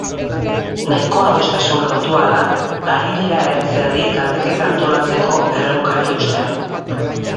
Nahikoa adostasun lortu ahala ari dira herriz herri galdeketa antolatzeko erronkari eusten.